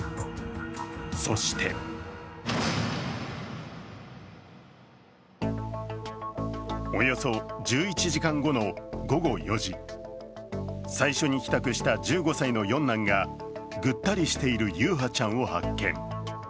そしておよそ１１時間後の午後４時、最初に帰宅した１５歳の四男がぐったりしている優陽ちゃんを発見。